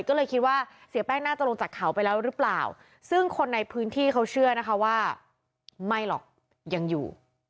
ก็เลยคิดว่าเสียแป้งน่าจะลงจากเขาไปแล้วหรือเปล่าซึ่งคนในพื้นที่เขาเชื่อนะคะว่าไม่หรอกยังอยู่